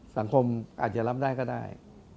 สังคมอาจจะรับได้ก็ได้